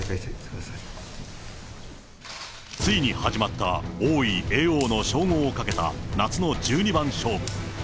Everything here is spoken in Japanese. ついに始まった王位、叡王の称号をかけた夏の十二番勝負。